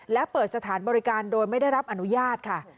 และเปิดสถานบริการโดยไม่ได้รับอนุญาตค่ะ